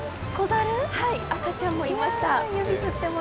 はい、赤ちゃんもいました。